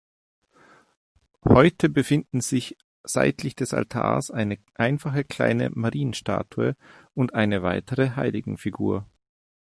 Heuite befinden sich seitlich des Altars eine einfache kleine Marienstatue und eine weitere Heiligenfigur.